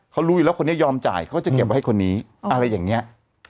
เขารู้อยู่แล้วคนนี้ยอมจ่ายเขาจะเก็บไว้ให้คนนี้อะไรอย่างนี้